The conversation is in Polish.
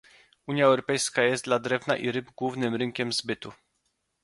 Unia Europejska jest dla drewna i ryb głównym rynkiem zbytu